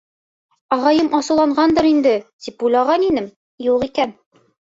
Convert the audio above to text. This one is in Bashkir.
Ағайым асыуланғандыр инде тип уйлаған инем, юҡ икән: